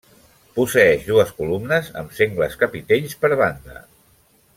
Posseeix dues columnes, amb sengles capitells, per banda.